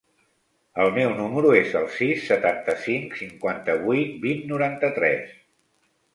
El meu número es el sis, setanta-cinc, cinquanta-vuit, vint, noranta-tres.